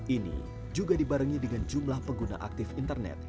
ini juga dibarengi dengan jumlah pengguna aktif internet